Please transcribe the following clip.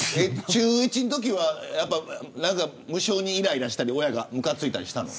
中１のときは無性にイライラしたり親がむかついたりしたの。